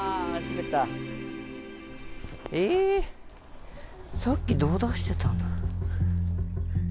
えーっ、さっきどう出してたんだろう。